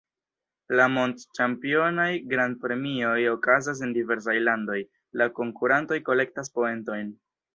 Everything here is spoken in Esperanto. La mond-ĉampionaj grand-premioj okazas en diversaj landoj, la konkurantoj kolektas poentojn.